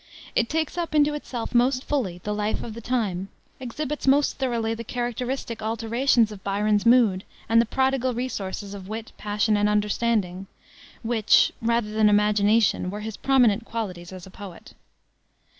It takes up into itself most fully the life of the time; exhibits most thoroughly the characteristic alternations of Byron's moods and the prodigal resources of wit, passion, and understanding, which rather than imagination were his prominent qualities as a poet.